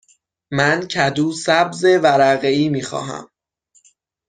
من کدو سبز ورقه ای می خواهم.